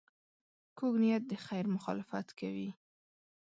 کوږ نیت د خیر مخالفت کوي